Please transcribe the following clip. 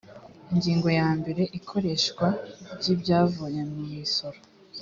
ingingo ya mbere ikoreshwa ry’ibyavuye mu misoro